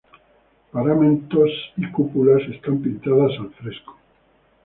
Paramentos y cúpulas están pintadas al fresco.